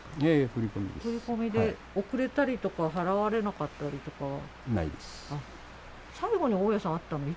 振り込みで、遅れたりとか、払われなかったりとかは。